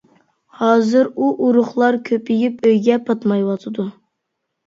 ھازىر ئۇ ئۇرۇقلار كۆپىيىپ ئۆيگە پاتمايۋاتىدۇ.